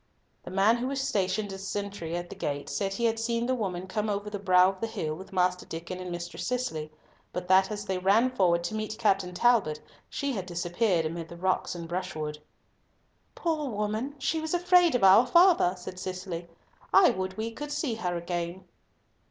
The man who was stationed as sentry at the gate said he had seen the woman come over the brow of the hill with Master Diccon and Mistress Cicely, but that as they ran forward to meet Captain Talbot she had disappeared amid the rocks and brushwood. "Poor woman, she was afraid of our father," said Cicely; "I would we could see her again."